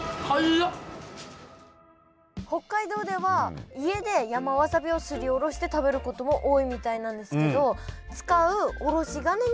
北海道では家で山わさびをすりおろして食べることも多いみたいなんですけど